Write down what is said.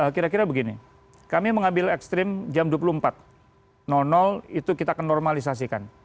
kira kira begini kami mengambil ekstrim jam dua puluh empat itu kita akan normalisasikan